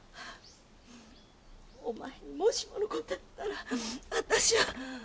お前にもしもの事あったら私は。